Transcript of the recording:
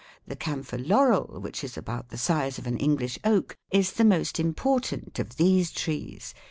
The camphor laurel, which is about the size of an English oak, is the most important of these trees.